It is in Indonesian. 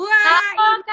wah ini pritri